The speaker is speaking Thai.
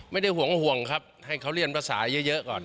ไม่ได้ห่วงครับให้เขาเรียนภาษาเยอะก่อน